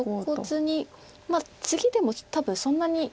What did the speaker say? まあツギでも多分そんなに。